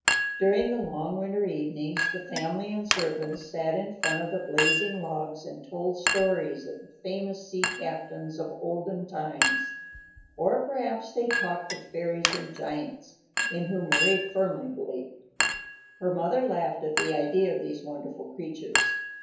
During the long winter evenings the family and servants sat in front of the blazing logs and told stories of the famous sea captains of the olden times. Or perhaps they talked of the fairies and giants, in whom Mari firmly believed. Her mother laughed at the idea of these wonderful creatures.